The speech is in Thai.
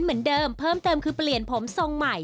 เหมือนเดิมเพิ่มเติมคือเปลี่ยนผมทรงใหม่